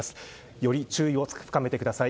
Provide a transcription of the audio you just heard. より注意を深めてください。